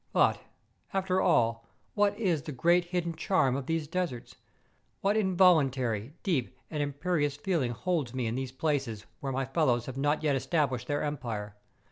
But, after all, what is the great hidden charm of these deserts ? What involuntary, deep, and imperious feeling holds me in these places where my fellows have not established their empire